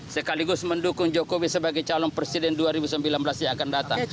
sekaligus mendukung jokowi sebagai calon presiden dua ribu sembilan belas yang akan datang